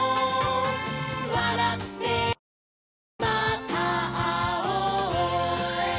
「わらってまたあおう」